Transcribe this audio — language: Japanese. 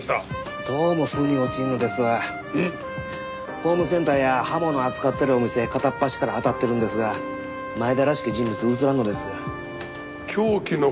ホームセンターや刃物扱ってるお店片っ端から当たってるんですが前田らしき人物映らんのです。